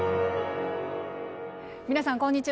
皆さんこんにちは。